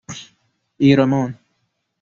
ایرمان